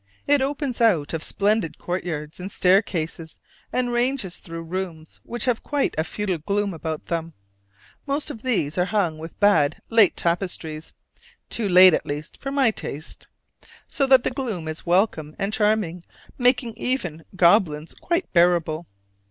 It opens out of splendid courtyards and staircases, and ranges through rooms which have quite a feudal gloom about them; most of these are hung with bad late tapestries (too late at least for my taste), so that the gloom is welcome and charming, making even "Gobelins" quite bearable.